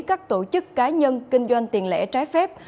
các tổ chức cá nhân kinh doanh tiền lẻ trái phép